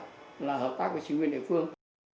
thì ngành đường sắt là hợp tác với chính quyền địa phương